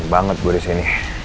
ngapain banget gue di sini